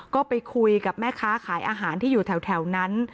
ก็ไปคุยกับแม่ค้าขายอาหารที่อยู่แถวนั้น